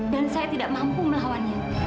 dan saya tidak mampu melawannya